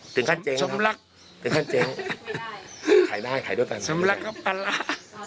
จึงค่าเจ๊งนะครับจำลักจำลักกับปลาร้าจำลักกับปลาร้า